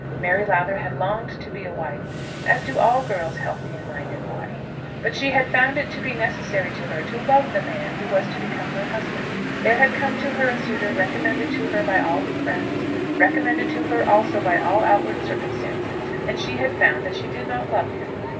Mary Lowther had longed to be a wife, as do all girls healthy in mind and body; but she had found it to be necessary to her to love the man who was to become her husband. There had come to her a suitor recommended to her by all her friends, recommended to her also by all outward circumstances, and she had found that she did not love him!